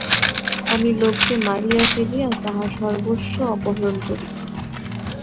আমি লোককে মারিয়া ফেলিয়া তাহার সর্বস্ব অপহরণ করি।